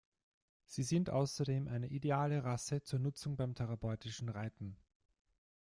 Sie sind außerdem eine ideale Rasse zur Nutzung beim Therapeutischen Reiten.